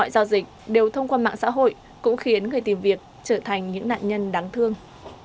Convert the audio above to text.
giao dịch đều thông qua mạng xã hội cũng khiến người tìm việc trở thành những nạn nhân đáng thương